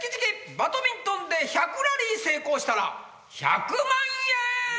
バドミントンで１００ラリー成功したら１００万円！